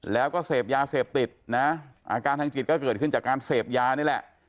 แล้วก็เสพยาเสพติดนะอาการทางจิตก็เกิดขึ้นจากการเสพยานี่แหละ